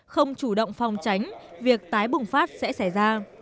không chủ động phòng tránh việc tái bùng phát sẽ xảy ra